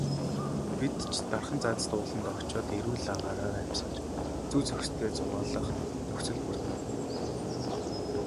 Бид ч дархан цаазат ууландаа очоод эрүүл агаараар амьсгалж, зүй зохистой зугаалах нөхцөл бүрдэнэ.